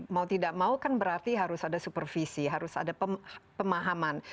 mau tidak mau kan berarti harus ada supervisi harus ada pemahaman